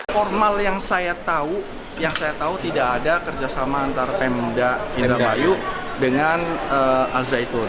formal yang saya tahu yang saya tahu tidak ada kerjasama antara pemda indramayu dengan al zaitun